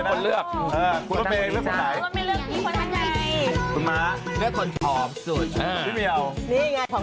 เป็นผู้ชายน่ะ